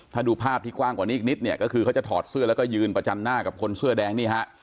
ถ้าดูภาพที่กว้างกว่านี้อีกนิดเนี่ยก็คือเขาจะถอดเสื้อแล้วก็ยืนประจันหน้ากับคนเสื้อแดงนี่ฮะ